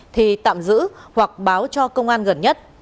thì tạm giữ hoặc báo cho công an gần nhất